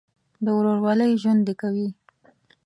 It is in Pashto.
د ورورولۍ ژوند دې کوي.